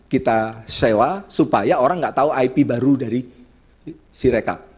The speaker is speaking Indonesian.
kita sewa supaya orang gak tahu ip baru dari sereka